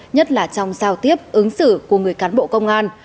nhất là trong giao tiếp ứng xử của người cán bộ công an